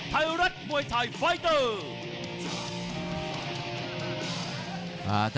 ไทยรัฐมวยไทยไฟเตอร์